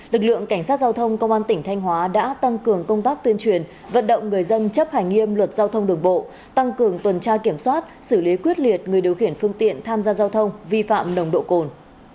lực lượng cảnh sát giao thông công an tỉnh thanh hóa đã tăng cường công tác tuyên truyền vận động người dân chấp hành nghiêm luật giao thông đường bộ tăng cường tuần tra kiểm soát xử lý quyết liệt người điều khiển phương tiện tham gia giao thông vi phạm nồng độ cồn